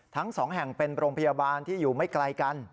ทั้งสองแห่งเป็นโรงพยาบาลที่อยู่ไม่ไกลกัน